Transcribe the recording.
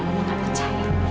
mama akan percaya